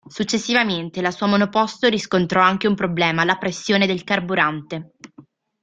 Successivamente la sua monoposto riscontrò anche un problema alla pressione del carburante.